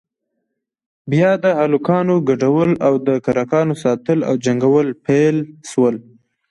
بيا د هلکانو گډول او د کرکانو ساتل او جنگول پيل سول.